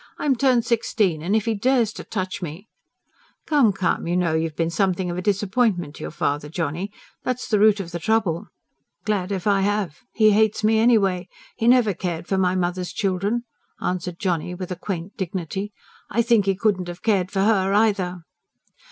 I'm turned sixteen; and if he dares to touch me " "Come, come. You know, you've been something of a disappointment to your father, Johnny that's the root of the trouble." "Glad if I have! He hates me anyway. He never cared for my mother's children," answered Johnny with a quaint dignity. "I think he couldn't have cared for her either."